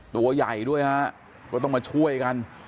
ตัวใหญ่ด้วยฮะก็ต้องมาช่วยกัน